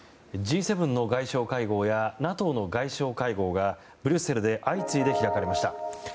Ｇ７の外相会合やＮＡＴＯの外相会合がブリュッセルで相次いで開かれました。